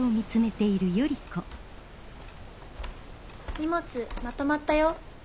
荷物まとまったよ。